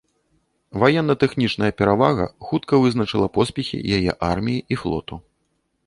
Ваенна-тэхнічная перавага хутка вызначыла поспехі яе арміі і флоту.